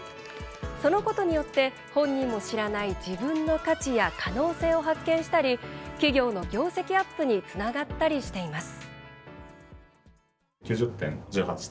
そのことによって本人も知らない自分の価値や可能性を発見したり企業の業績アップにつながったりしています。